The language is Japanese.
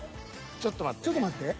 ちょっと待って。